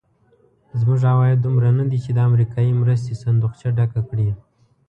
زموږ عواید دومره ندي چې د امریکایي مرستې صندوقچه ډکه کړي.